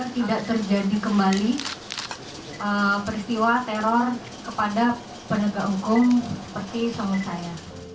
tidak terjadi kembali peristiwa teror kepada penegak hukum seperti suami saya